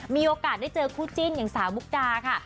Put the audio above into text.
มีโอกาสได้เจอคู่จิ้นอย่างสาวมุกดาค่ะ